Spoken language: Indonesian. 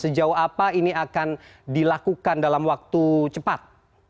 sejauh apa ini akan dilakukan dalam waktu cepat